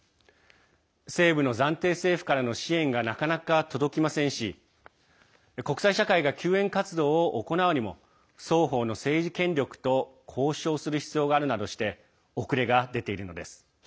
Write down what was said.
西部の暫定政府からの支援がなかなか届きませんし国際社会が救援活動を行うにも双方の政治権力と交渉する必要があるなどして遅れが出ているのです。